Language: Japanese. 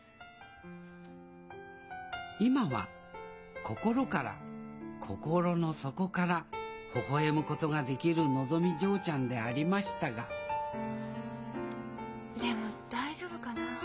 今は心から心の底からほほえむことができるのぞみ嬢ちゃんでありましたがでも大丈夫かな？